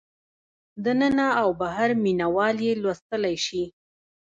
دننه او بهر مینه وال یې لوستلی شي.